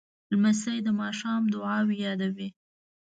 لمسی د ماښام دعاوې یادوي.